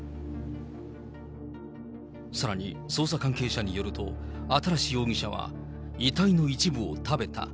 さらに捜査関係者によると、新容疑者は遺体の一部を食べた。